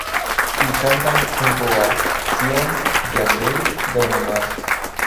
Y cantan junto a Zion, Yandel, Don Omar.